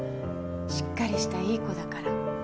しっかりしたいい子だから。